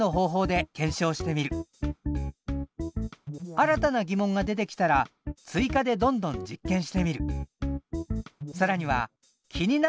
新たな疑問が出てきたら追加でどんどん実験してみる。